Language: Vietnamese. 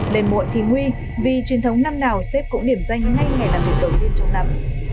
lên mội thì nguy vì truyền thống năm nào xếp cũng điểm danh ngay ngày là ngày đầu tiên trong năm